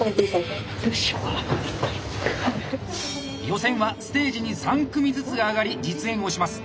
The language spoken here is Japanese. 予選はステージに３組ずつ上がり実演をします。